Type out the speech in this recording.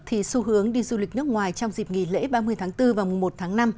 thì xu hướng đi du lịch nước ngoài trong dịp nghỉ lễ ba mươi tháng bốn và mùa một tháng năm